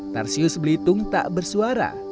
tarsius belitung tak bersuara